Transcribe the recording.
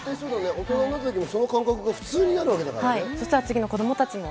大人になった時にその感覚が普通になるからね。